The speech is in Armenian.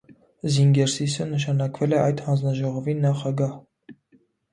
Զինգերսիսը նշանակվել է այդ հանձնաժողովի նախագահ։